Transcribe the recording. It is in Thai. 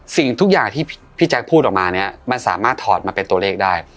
สิ่งทุกอย่างที่พี่แจ๊คพูดออกมาเนี่ยมันสามารถถอดมาเป็นตัวเลขได้